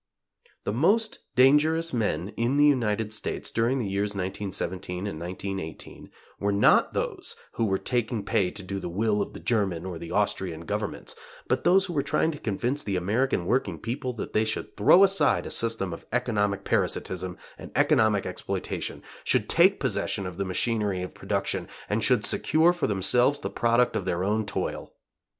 The most dangerous men in the United States, during the years 1917 and 1918, were not those who were taking pay to do the will of the German or the Austrian Governments, but those who were trying to convince the American working people that they should throw aside a system of economic parasitism and economic exploitation, should take possession of the machinery of production and should secure for themselves the product of their own toil.